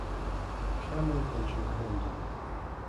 Cameron and Joe Herndon.